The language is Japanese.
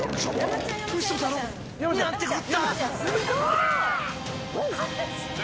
何てこった！